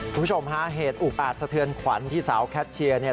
คุณผู้ชมฮะเหตุอุกอาจสะเทือนขวัญที่สาวแคทเชียร์เนี่ย